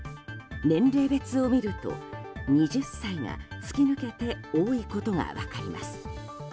年齢別を見ると２０歳が突き抜けて多いことが分かります。